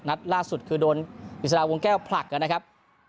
นัดล่าสุดคือโดนอิสระวงแก้วผลักนะครับ